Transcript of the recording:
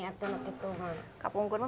kamu berarti tidak bisa mengerti